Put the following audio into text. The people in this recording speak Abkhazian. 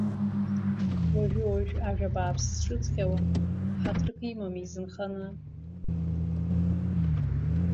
Уажәы-уажә ажәа бааԥс зҿыҵҟьауа, ҳаҭырк имам изынханы.